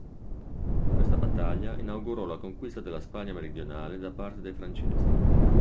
Questa battaglia inaugurò la conquista della Spagna meridionale da parte dei Francesi.